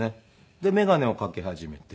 で眼鏡をかけ始めて。